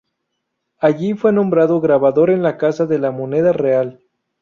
Allí fue nombrado grabador en la Casa de la Moneda Real.